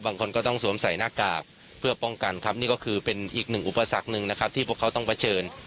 บางคนก็ต้องสวมใส่หน้ากากเพื่อป้องกันครับนี่ก็คือเป็นอีกหนึ่งอุปสรรคหนึ่งนะครับที่พวกเขาต้องเผชิญ